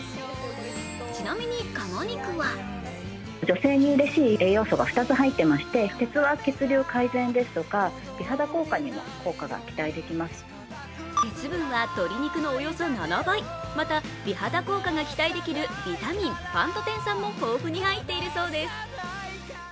ちなみに鴨肉は鉄分は鶏肉のおよそ７倍、また、美肌効果が期待できるビタミン、パントテン酸も豊富に入っているそうです。